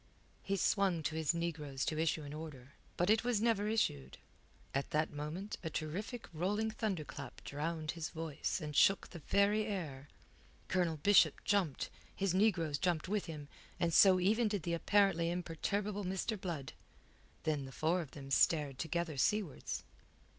He swung to his negroes to issue an order. But it was never issued. At that moment a terrific rolling thunderclap drowned his voice and shook the very air. Colonel Bishop jumped, his negroes jumped with him, and so even did the apparently imperturbable Mr. Blood. Then the four of them stared together seawards.